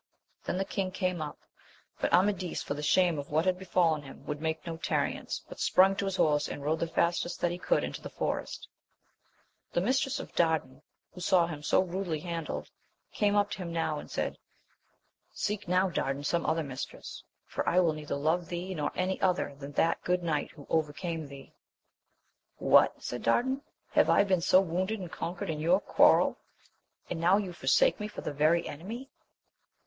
Then the king came up ; but Amadis, for the shame of what had befallen him, would make no tarriance, but sprung to his horse, and rode the fastest that he could into the forest. The mistress of Dardan, who saw him so rudely handled, came up to him now and said. Seek now, Dardan, some other mistress, for I will neither love thee nor any other than that good knight who over came thee ! What ! said Dardan, have I been so wounded and conqueie^Lm^oivxx c^^Yt^\^\A\i<^^ ^aa AMADIS OF GAUL. 91 forsake me for the very enemy